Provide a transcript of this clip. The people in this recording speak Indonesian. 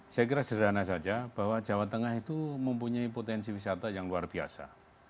saya kira sederhana saja bahwa jawa tengah itu mempunyai potensi wisata yang luar biasa